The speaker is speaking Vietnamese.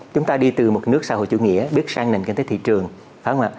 chúng ta đi từ một nước xã hội chủ nghĩa biết sang nền kinh tế thị trường phải không ạ